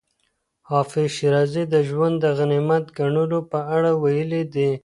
حافظ شېرازي د ژوند د غنیمت ګڼلو په اړه ویلي دي.